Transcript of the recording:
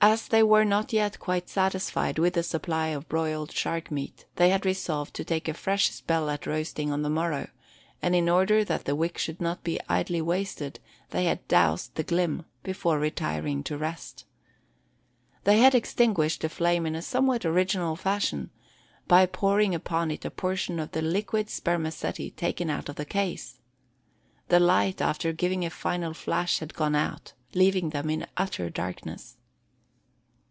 As they were not yet quite satisfied with the supply of broiled shark meat, they had resolved to take a fresh spell at roasting on the morrow; and in order that the wick should not be idly wasted, they had "doused the glim" before retiring to rest. They had extinguished the flame in a somewhat original fashion, by pouring upon it a portion of the liquid spermaceti taken out of the case. The light, after giving a final flash, had gone out, leaving them in utter darkness.